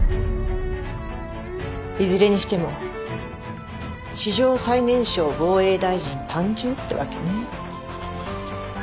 いずれにしても史上最年少防衛大臣誕生ってわけね。